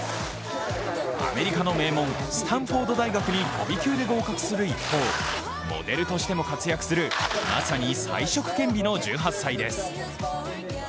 アメリカの名門・スタンフォード大学に飛び級で合格する一方、モデルとしても活躍するまさに才色兼備の１８歳です。